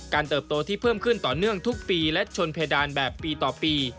เติบโตที่เพิ่มขึ้นต่อเนื่องทุกปีและชนเพดานแบบปีต่อปี